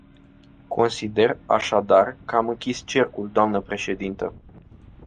Consider, așadar, că am închis cercul, dnă președintă.